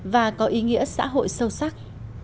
và có ý nghĩa xã hội sâu sắc